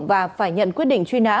và phải nhận quyết định truy nã